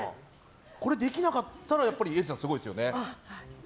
これできなかったらえりさんすごいですよね。